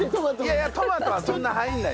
いやいやトマトはそんな入らない。